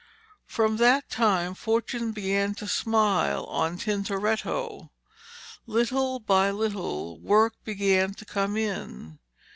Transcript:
From that time Fortune began to smile on Tintoretto. Little by little work began to come in.